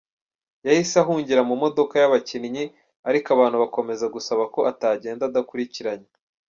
Yahise ahungira mu modoka y’abakinnyi, ariko abantu bakomeza gusaba ko atagenda adakurikiranywe.